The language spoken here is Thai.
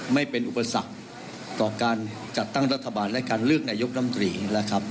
ไม่เป็นอุปสรรคต่อการจัดตั้งรัฐบาลและการเลือกนายกรรมตรีนะครับ